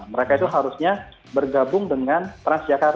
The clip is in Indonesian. mereka itu harusnya bergabung dengan transjakarta